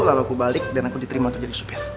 lalu aku balik dan aku diterima untuk jadi supir